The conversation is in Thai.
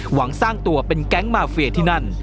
หวังสร้างตัวเป็นแก๊งมาเฟียที่นั่น